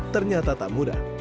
ternyata tak mudah